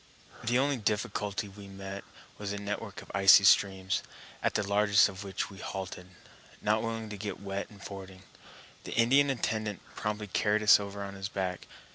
The only difficulty we met was a network of icy streams, at the largest of which we halted, not willing to get wet in fording. The Indian attendant promptly carried us over on his back.